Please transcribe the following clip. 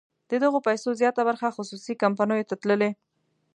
د دغه پیسو زیاته برخه خصوصي کمپنیو ته تللې.